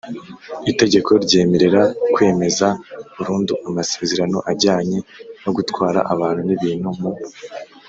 Itegeko ryemerera kwemeza burundu amasezerano ajyanye no gutwara abantu n ibintu mu